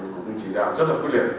cũng chỉ đạo rất là quyết liệt